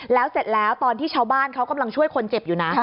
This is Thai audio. แล้วเสร็จแล้วตอนที่ชาวบ้านเขากำลังช่วยคนเจ็บอยู่นะ